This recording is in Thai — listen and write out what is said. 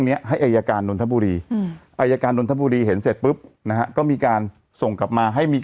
เขาถอดหน้าตาต้องถูกใจก่อนไหม